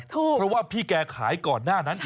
เพราะว่าพี่แกขายก่อนหน้านั้น